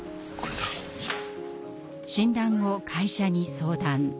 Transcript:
診断後会社に相談。